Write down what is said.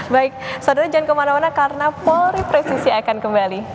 baik saudara jangan kemana mana karena polri presisi akan kembali